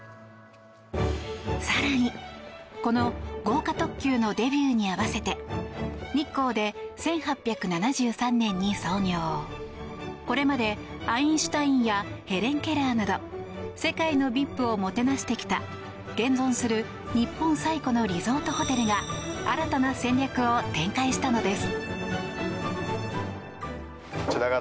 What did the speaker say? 更に、この豪華特急のデビューに合わせて日光で１８７３年に創業これまでアインシュタインやヘレン・ケラーなど世界のＶＩＰをもてなしてきた現存する日本最古のリゾートホテルが新たな戦略を展開したのです。